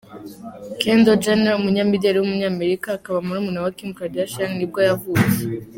Kendall Jenner, umunyamideli w’umunyamerika, akaba murumuna wa Kim Kardashian nibwo yavutse.